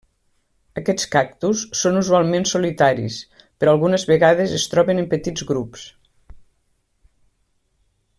Aquests cactus són usualment solitaris però algunes vegades es troben en petits grups.